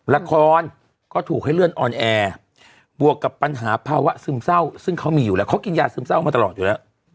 ละครก็ถูกให้เลื่อนออนแอร์บวกกับปัญหาภาวะซึมเศร้าซึ่งเขามีอยู่แล้วเขากินยาซึมเศร้ามาตลอดอยู่แล้ว